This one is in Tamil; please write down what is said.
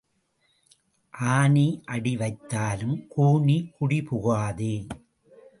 ஆனி அடி வைத்தாலும் கூனி குடி புகாதே.